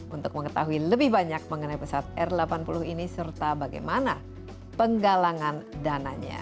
untuk mengetahui lebih banyak mengenai pesawat r delapan puluh ini serta bagaimana penggalangan dananya